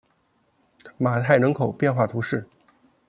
马泰人口变化图示